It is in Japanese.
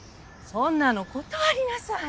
そんなの断りなさい！